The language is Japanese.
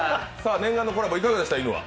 念願のコラボ、いかがでした？